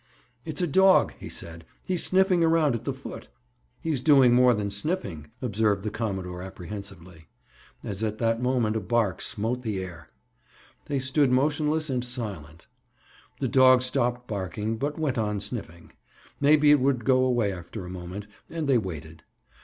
"It's a dog," he said. "He's snuffing around at the foot." "He's doing more than snuffing," observed the commodore apprehensively, as at that moment a bark smote the air. They stood motionless and silent. The dog stopped barking, but went on snuffing. Maybe it would go away after a moment, and they waited.